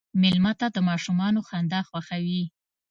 مېلمه ته د ماشومانو خندا خوښوي.